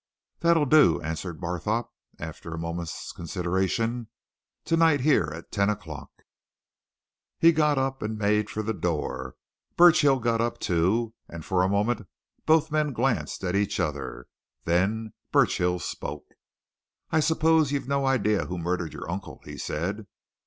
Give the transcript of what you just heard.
"That'll do," answered Barthorpe after a moment's consideration. "Tonight, here, at ten o 'clock." He got up and made for the door. Burchill got up too, and for a moment both men glanced at each other. Then Burchill spoke. "I suppose you've no idea who murdered your uncle?" he said.